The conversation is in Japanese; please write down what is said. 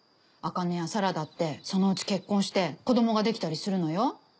茜や沙羅だってそのうち結婚して子どもができたりするのよ。